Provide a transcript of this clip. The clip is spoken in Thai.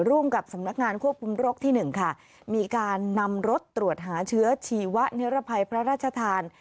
ร่วมกับสำนักงานควบคุมโรคที่หนึ่งค่ะมีการนำรถตรวจหาเชื้อชีวะนิรภัยพระราชทาน